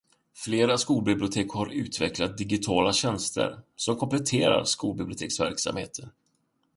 Flera skolbibliotek har utvecklat digitala tjänster, som kompletterar skolbiblioteksverksamheten.